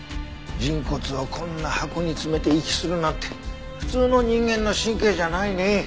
人骨をこんな箱に詰めて遺棄するなんて普通の人間の神経じゃないね。